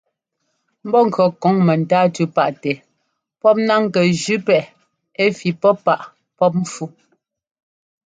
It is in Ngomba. Mbɔ́ŋkʉɔ́ kɔŋ mɛntáa tʉ́ páꞌtɛ pɔ́p náŋ kɛ jʉ́ pɛ́ꞌɛ ɛ́ fí pɔ́ páꞌ pɔ́p mpfú.